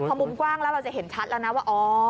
พอมุมกว้างแล้วเราจะเห็นชัดแล้วนะว่า